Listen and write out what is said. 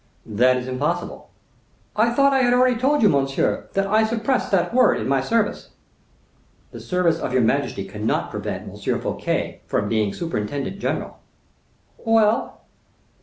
"That is impossible." "I thought I had already told you, monsieur, that I suppressed that word in my service." "The service of your majesty cannot prevent M. Fouquet from being surintendant general." "Well?"